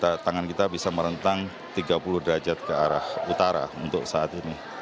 karena tangan kita bisa merentang tiga puluh derajat ke arah utara untuk saat ini